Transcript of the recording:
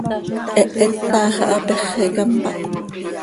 Hehet taax ah hapéxeca mpáh.